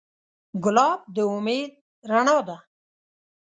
ګلاب د امید رڼا ده.